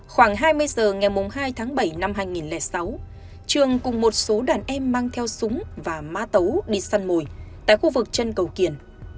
khoảng hai mươi giờ ngày hai tháng bảy năm hai nghìn sáu trường cùng một số đàn em mang theo súng và mã tấu đi săn mồi tại khu vực chân cầu kiền